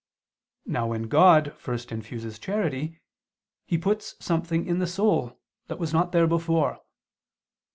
Now when God first infuses charity, He puts something in the soul that was not there before.